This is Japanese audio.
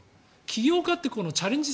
起業家ってチャレンジ